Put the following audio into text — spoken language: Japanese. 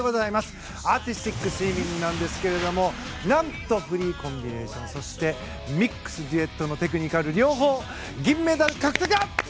アーティスティックスイミングですが何と、フリーコンビネーションそしてミックスデュエットのテクニカル両方、銀メダル獲得だ！